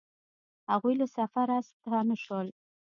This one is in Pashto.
هغوی له سفره ستانه شول